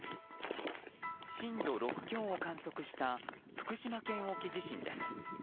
震度６強を観測した福島県沖地震です。